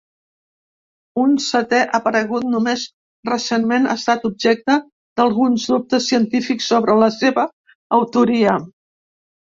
Un setè aparegut només recentment ha estat objecte d'alguns dubtes científics sobre la seva autoria.